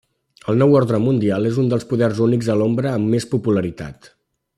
El Nou Ordre Mundial és un dels poders únics a l'ombra amb més popularitat.